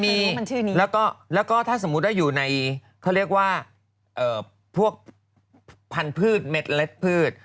มีชื่อนี้แล้วก็ถ้าสมมุติว่าอยู่ในเขาเรียกว่าพวกพันธุ์เม็ดเล็ดพืช